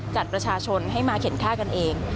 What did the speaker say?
จัดประชาชนให้มาเข็นค่ากันเอง